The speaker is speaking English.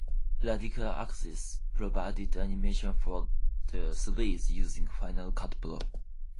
Radical Axis provided animation for the series using Final Cut Pro.